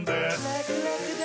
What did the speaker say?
ラクラクだ！